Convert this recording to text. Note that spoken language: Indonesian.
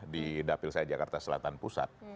di dapil saya jakarta selatan pusat